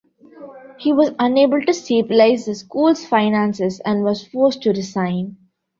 He was unable to stabilize the school's finances and was forced to resign.